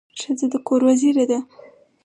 ښځه د کور وزیره ده.